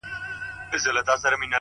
• تباهي به يې ليكلې په قسمت وي -